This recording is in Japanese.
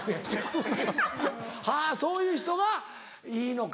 はぁそういう人がいいのか。